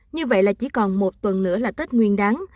như vậy là chỉ còn một tuần nữa là tết nguyên đáng